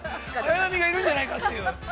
◆綾波がいるんじゃないかという。